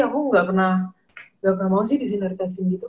aku gak pernah mau sih disenioritasin gitu